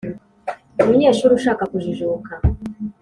- umunyeshuri ushaka kujijuka,